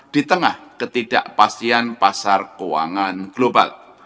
di tengah ketidakpastian pasar keuangan global